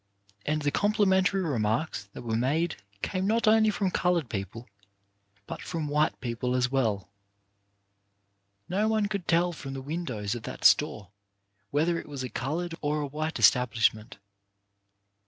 And the complimentary remarks that were made came not only from coloured people but from white people as well. No one could tell from the windows of that store whether it was a coloured or a white establishment.